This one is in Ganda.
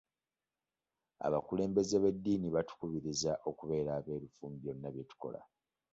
Abakulembeze b'eddiini batukubiriza okubeera abeerufu mu byonna bye tukola.